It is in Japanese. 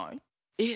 えっ⁉